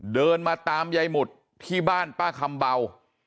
เดินมาตามยายหมุดที่บ้านป้าคำเบา